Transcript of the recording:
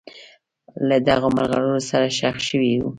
له دغو مرغلرو سره ښخ شوي دي.